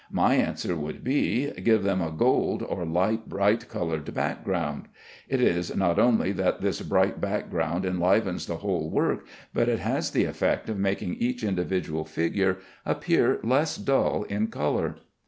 My answer would be, Give them a gold or light bright colored background. It is not only that this bright background enlivens the whole work, but it has the effect of making each individual figure appear less dull in color.